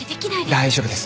大丈夫です。